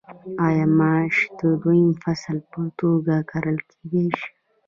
آیا ماش د دویم فصل په توګه کرل کیدی شي؟